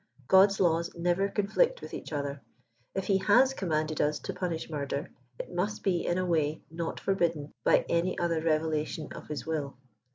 God*s laws never conflict with each other. If he has commanded us to punish murder, it must be in a way not for bidden by any other revelation of his will.